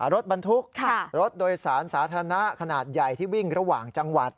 รถบรรทุกรถโดยสารสาธารณะขนาดใหญ่ที่วิ่งระหว่างจังหวัด